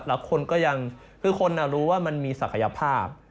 แล้วคนก็ยังคือคนรู้ว่ามันมีศักยภาพ